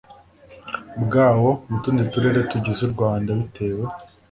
byawo mu tundi turere tugize u rwanda bitewe